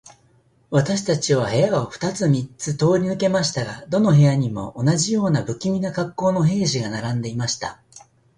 私たちは部屋を二つ三つ通り抜けましたが、どの部屋にも、同じような無気味な恰好の兵士が並んでいました。